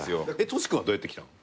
トシ君はどうやって来たん？